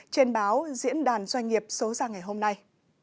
trên báo diễn đàn doanh nghiệp số ra ngày hôm nay